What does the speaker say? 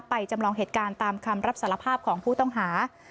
จำลองเหตุการณ์ตามคำรับสารภาพของผู้ต้องหา